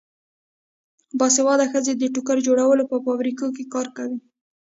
باسواده ښځې د ټوکر جوړولو په فابریکو کې کار کوي.